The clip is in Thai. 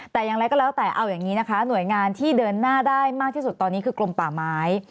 แต่อย่างไรก็แล้วแต่เอาอย่างนี้นะคะหน่วยงานที่เดินหน้าได้มากที่สุดตอนนี้คือกลมป่าไม้